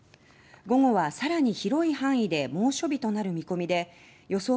午後は、さらに広い範囲で猛暑日となる見込みで予想